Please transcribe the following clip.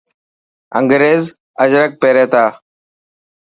انگريز اجرڪ پيري تا.